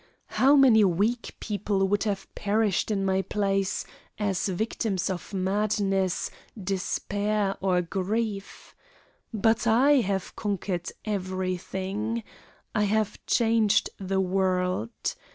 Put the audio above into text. How many weak people would have perished in my place as victims of madness, despair, or grief? But I have conquered everything! I have changed the world.